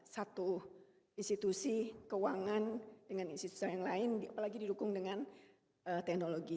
satu institusi keuangan dengan institusi yang lain apalagi didukung dengan teknologi